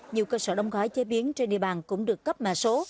nhiều cơ sở đông khói chế biến trên địa bàn cũng được cấp mẻ số